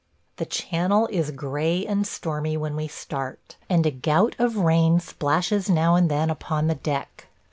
The Channel is gray and stormy when we start, and a gout of rain splashes now and then upon the deck.